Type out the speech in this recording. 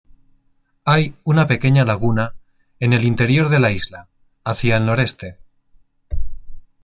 Hay una pequeña laguna en el interior de la isla hacia el noreste.